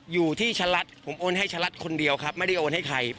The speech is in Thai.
อยู่ที่ชะลัดผมโอนให้ชะลัดคนเดียวครับไม่ได้โอนให้ใคร